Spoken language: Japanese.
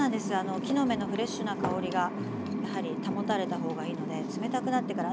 木の芽のフレッシュな香りがやはり保たれた方がいいので冷たくなってから。